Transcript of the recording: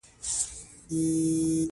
له لسو مشرانو سره غونډه وکړه.